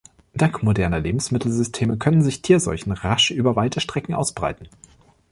Dank moderner Lebensmittelsysteme können sich Tierseuchen rasch über weite Strecken ausbreiten.